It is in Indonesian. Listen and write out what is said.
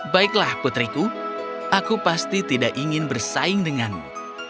baiklah putriku aku pasti tidak ingin bersaing denganmu